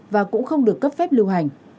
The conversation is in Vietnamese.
và cũng không được cấp phép lưu hành